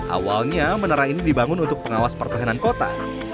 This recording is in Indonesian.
awalnya menerai ini dibangun untuk pengawas pertengahan kota